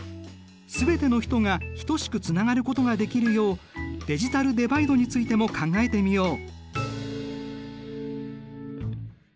全ての人がひとしくつながることができるようデジタルデバイドについても考えてみよう。